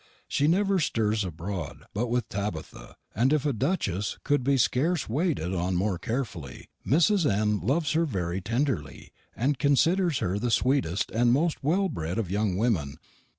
She never stirs abrorde but with Tabitha, and if a dutchess, cou'd be scarce wated on more cairfully. Mrs. N. loves her verry tenderly, and considers her the sweetest and most wel bredd of young women.